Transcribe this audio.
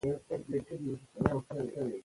هغه د خپل هېواد د خاورې په کیسه کې نه و.